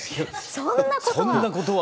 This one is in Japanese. そんなことは！